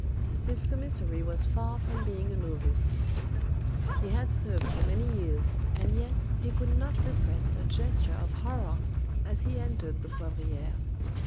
This commissary was far from being a novice. He had served for many years, and yet he could not repress a gesture of horror as he entered the Poivriere.